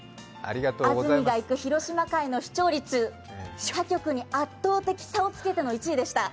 安住が行く広島回の視聴率、他局に圧倒的差をつけての１位でした。